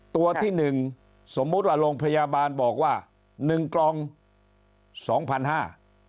ตัวที่๑สมมุติว่าโรงพยาบาลบอกว่า๑กล่อง๒๕๐๐บาท